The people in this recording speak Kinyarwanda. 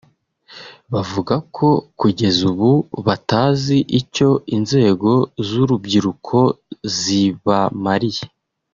bavuga ko kugeza ubu batazi icyo inzego z’urubyiruko zibamariye